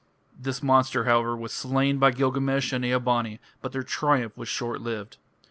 This monster, however, was slain by Gilgamesh and Ea bani, but their triumph was shortlived.